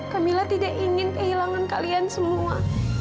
kamila tidak ingin kehilangan kalian semua